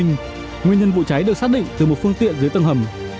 nguyên nhân vụ cháy được xác định từ một phương tiện dưới tầng hầm